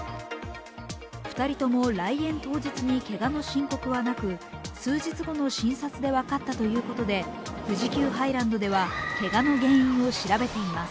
２人とも来園当日にけがの申告はなく数日後の診察で分かったということで、富士急ハイランドでは、けがの原因を調べています。